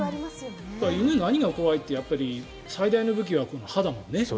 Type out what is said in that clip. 犬、何が怖いって最大の武器はこの歯だもんね。